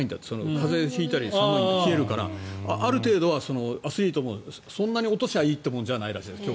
風邪を引いたりするからある程度はアスリートもそんなに落とせばいいというものではないらしいです。